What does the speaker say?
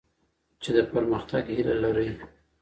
چي د پرمختګ هیله لرئ.